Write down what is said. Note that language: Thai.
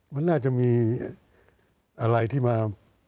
มันน่าจะมีอะไรที่มา